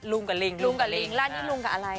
ลุงกับลิงลุงกับลิงลาดนี้ลุงกับอะไรอ่ะ